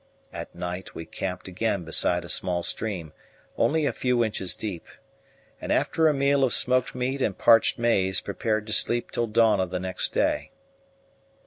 At night we camped again beside a small stream, only a few inches deep, and after a meal of smoked meat and parched maize prepared to sleep till dawn on the next day.